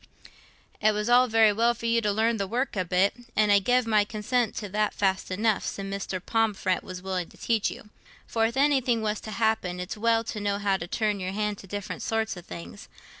"It was all very well for you to learn the work a bit—an' I gev my consent to that fast enough, sin' Mrs. Pomfret was willing to teach you. For if anything was t' happen, it's well to know how to turn your hand to different sorts o' things.